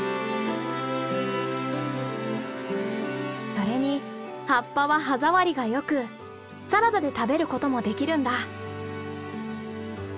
それに葉っぱは歯触りがよくサラダで食べることもできるんだ。